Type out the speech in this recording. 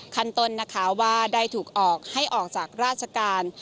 ขั้นต้นนะคะว่าได้ถูกออกให้ออกจากราชการ